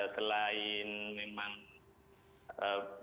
selain memang menggarap lahan hidup